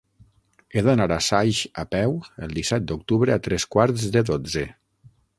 He d'anar a Saix a peu el disset d'octubre a tres quarts de dotze.